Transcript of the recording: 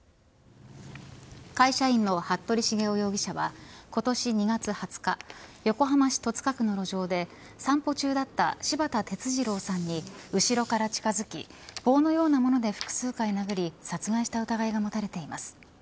会社員の服部繁雄容疑者は今年２月２０日横浜市戸塚区の路上で散歩中だった柴田哲二郎さんに後ろから近づき、棒のような物で複数回殴り殺害した疑いが持たれています。